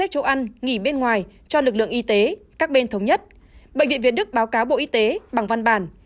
các lực lượng y tế các bên thống nhất bệnh viện việt đức báo cáo bộ y tế bằng văn bản